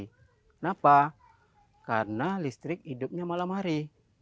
kenapa karena listrik hidupnya malam hari